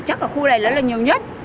chắc là khu này nó là nhiều nhất